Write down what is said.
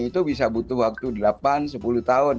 itu bisa butuh waktu delapan sepuluh tahun